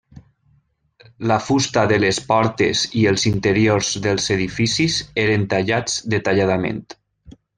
La fusta de les portes i els interiors dels edificis eren tallats detalladament.